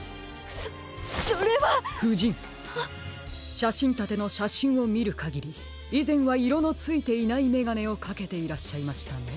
しゃしんたてのしゃしんをみるかぎりいぜんはいろのついていないめがねをかけていらっしゃいましたね。